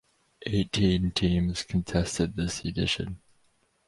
Eighteen teams contested this edition.